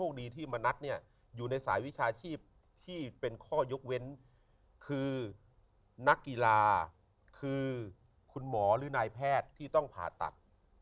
คนไทยรัฐศึงถามีว่าดิวว่ายิลาคือคุณหมอหรือนายแพทย์ที่ต้องผ่าตัด